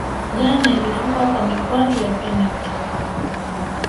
ghana ilifungwa kwa mikwaju ya penati